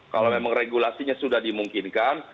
kalau memang regulasinya sudah dimungkinkan